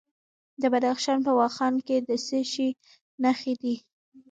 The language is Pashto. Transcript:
د بدخشان په واخان کې د څه شي نښې دي؟